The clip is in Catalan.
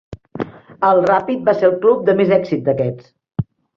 El Rapid va ser el club de més èxit d'aquests.